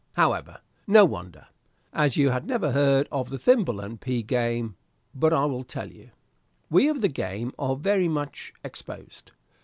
However, no wonder, as you had never heard of the thimble and pea game; but I will tell you. We of the game are very much exposed.